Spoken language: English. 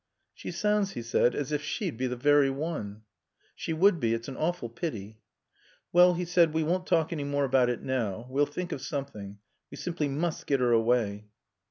"She sounds," he said, "as if she'd be the very one." "She would be. It's an awful pity." "Well," he said, "we won't talk any more about it now. We'll think of something. We simply must get her away."